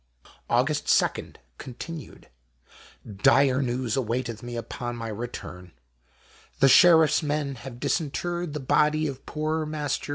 Aug. 2 continued. — Dire news awaiteth me upon my return. The Sheriff's men have disinterred the body of poor Master W.